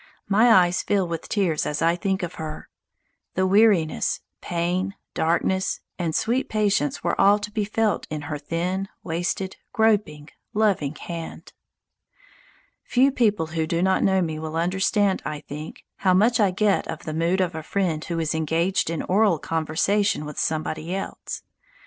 My eyes fill with tears as I think of her. The weariness, pain, darkness, and sweet patience were all to be felt in her thin, wasted, groping, loving hand. Few people who do not know me will understand, I think, how much I get of the mood of a friend who is engaged in oral conversation with somebody else.